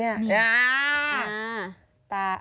น้าาาาาาา